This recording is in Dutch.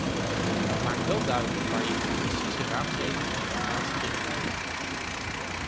Het maakt wel duidelijk waar je voor precieze raadgeving en informatie terecht kunt.